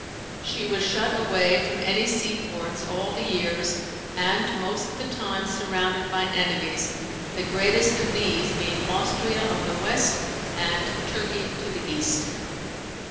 She was shut away from any seaports all the years, and most of the time surrounded by enemies, the greatest of these being Austria on the west and Turkey to the east.